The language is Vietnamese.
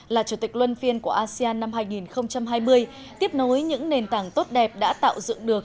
là chủ tịch luân phiên của asean năm hai nghìn hai mươi tiếp nối những nền tảng tốt đẹp đã tạo dựng được